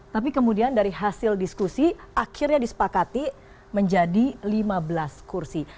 tapi kemudian dari hasil diskusi akhirnya disepakati menjadi lima belas kursi